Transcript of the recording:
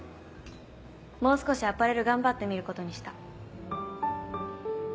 もう少しアパレル頑張ってみることにした。